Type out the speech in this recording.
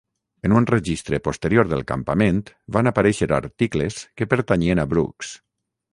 En un registre posterior del campament van aparèixer articles que pertanyien a Brooks.